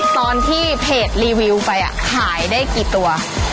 ตอนที่เพจรีวิวไปขายได้กี่ตัว